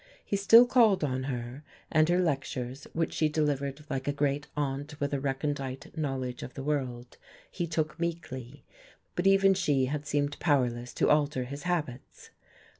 He still called on her, and her lectures, which she delivered like a great aunt with a recondite knowledge of the world, he took meekly. But even she had seemed powerless to alter his habits....